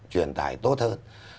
truyền tải tốt hơn